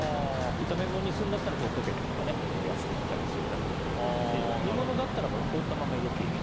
炒め物にするなら溶けてからモヤシとかキャベツと炒めてもいいですし煮物だったら凍ったまま入れていいです。